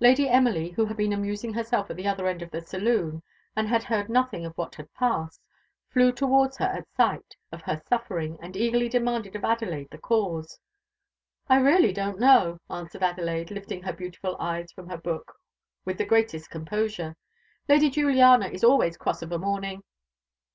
Lady Emily, who had been amusing herself at the other end of the saloon, and had heard nothing of what had passed, flew towards her at sight, of her suffering, and eagerly demanded of Adelaide the cause. "I really don't know," answered Adelaide, lifting her beautiful eyes from her book with the greatest composure; "Lady Juliana is always cross of a morning."